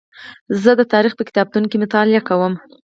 زه د تاریخ په کتابتون کې مطالعه کوم.